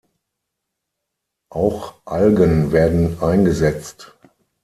Auch Algen werden eingesetzt.